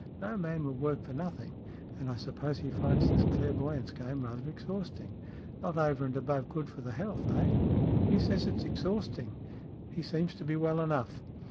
No man will work for nothing, and I suppose he finds this clairvoyance game rather exhausting. Not over and above good for the health, eh ?" SMEATH 35 " He says it's exhausting. He seems to me well enough."